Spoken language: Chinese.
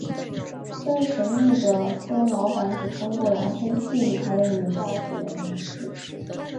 这位神秘的私人老板只通过扬声器与他的女下属们联系。